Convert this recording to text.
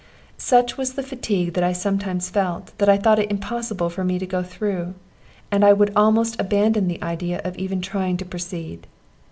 Such was the fatigue that I sometimes felt, that I thought it impossible for me to go through, and I would almost abandon the idea of even trying to proceed.